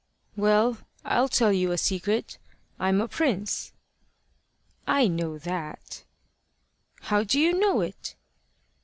"Well, I'll tell you a secret. I'm a prince." "I know that." "How do you know it?"